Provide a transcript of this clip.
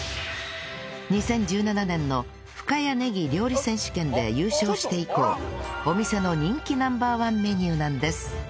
２０１７年の深谷ねぎ料理選手権で優勝して以降お店の人気 Ｎｏ．１ メニューなんです